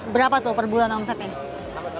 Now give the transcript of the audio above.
berapa tuh per bulan omsetnya